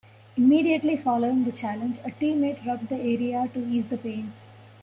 Immediately following the challenge, a teammate rubbed the area to ease the pain.